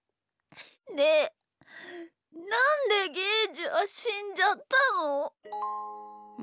ねえなんでゲージはしんじゃったの？